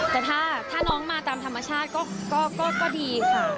แต่ถ้าน้องมาตามธรรมชาติก็ดีค่ะ